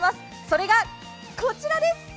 それが、こちらです。